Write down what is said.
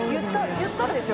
言ったんでしょ？